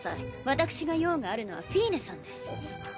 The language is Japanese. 私が用があるのはフィーネさんです。